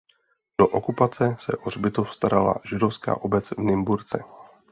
Do okupace se o hřbitov starala židovská obec v Nymburce.